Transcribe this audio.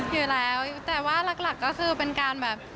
อยู่แล้วแต่ว่าหลักก็คือเป็นการแบบ